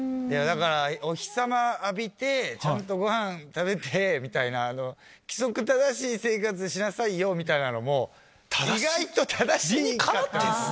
だからお日さま浴びてちゃんとごはん食べてみたいな規則正しい生活しなさいよみたいなのも意外と正しい。